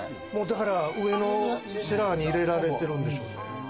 上のセラーに入れられてるんでしょうね。